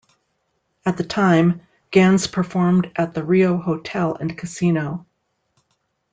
At the time, Gans performed at the Rio Hotel and Casino.